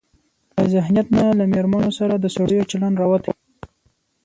له ذهنيت نه له مېرمنو سره د سړيو چلن راوتى.